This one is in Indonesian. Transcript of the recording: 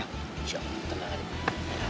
insya allah tenang